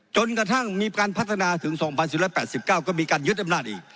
จนกระทั่งมีการพัฒนาถึง๒๑๘๙ก็มีการยึดอำนาจอีก